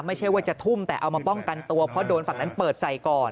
ไม่ใช่ว่าจะทุ่มแต่เอามาป้องกันตัวเพราะโดนฝั่งนั้นเปิดใส่ก่อน